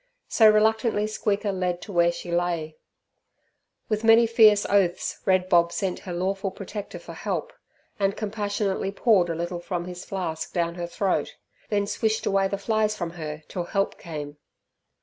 So reluctantly Squeaker led to where she lay. With many fierce oaths Red Bob sent her lawful protector for help, and compassionately poured a little from his flask down her throat, then swished away the flies from her till help came.